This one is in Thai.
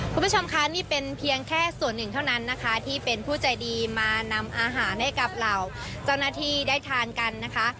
คุณผู้ชมคะนี่เป็นเพียงแค่ส่วนหนึ่งเท่านั้นนะคะที่เป็นผู้ใจดีมานำอาหารให้กับเหล่าเจ้าหน้าที่ได้ทานกันนะคะ